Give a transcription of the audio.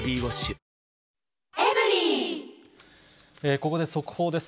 ここで速報です。